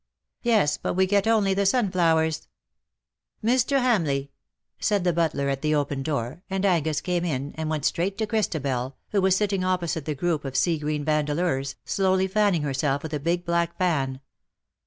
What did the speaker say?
^^" Yes ; but we get only the sunflowers.'^ " Mr. Hamleigh !" said the butler at the open door, and Angus came in, and went straight to Christabel, who was sitting opposite the group of sea green Yandeleurs, slowly fanning herself with a big black fan.